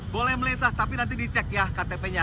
boleh melintas tapi nanti dicek ya ktp nya